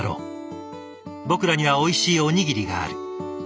僕らにはおいしいおにぎりがある。